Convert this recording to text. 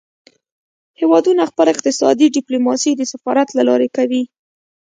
هیوادونه خپله اقتصادي ډیپلوماسي د سفارت له لارې کوي